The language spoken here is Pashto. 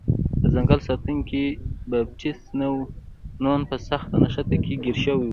د ځنګل ساتونکی بابټیست نون په سخته نښته کې ګیر شوی و.